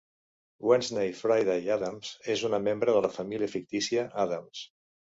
Wednesday Friday Addams és una membre de la família fictícia Addams.